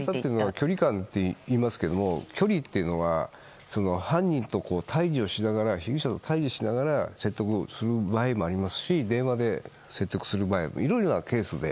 距離感といいますが距離というのは犯人と被疑者と対峙しながら説得する場合もありますし電話で説得する場合などいろいろなケースで。